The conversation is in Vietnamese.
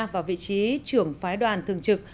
vào vị trí trưởng phái đoàn thường trực